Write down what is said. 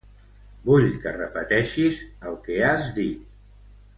Vull que repeteixis el que has dit.